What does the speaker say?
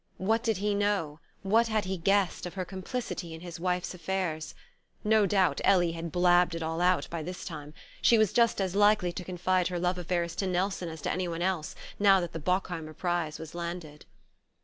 What did he know, what had he guessed, of her complicity in his wife's affairs? No doubt Ellie had blabbed it all out by this time; she was just as likely to confide her love affairs to Nelson as to anyone else, now that the Bockheimer prize was landed.